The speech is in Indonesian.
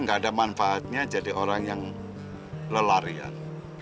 nggak ada manfaatnya jadi orang yang lelarian